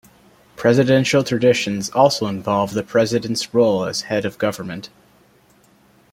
Presidential traditions also involve the president's role as head of government.